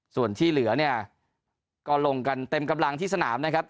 ส่วนที่เหลือเนี่ยก็ลงกันเต็มกำลังที่สนามนะครับ